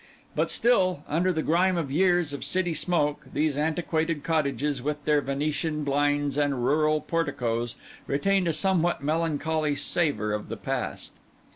But still, under the grime of years of city smoke, these antiquated cottages, with their venetian blinds and rural porticoes, retained a somewhat melancholy savour of the past.